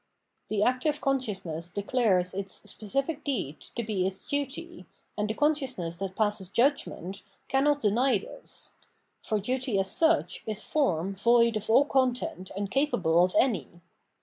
The active consciousness declares its specific deed to be its duty, and the consciousness that passes judgment cannot deny VOL. n.— s 674 Phenomenology of Mind tkis ; for duty as such is form void of all content and capable of any.